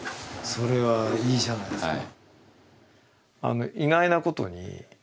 それはいいじゃないですか。